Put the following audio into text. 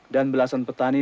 dan belasan petani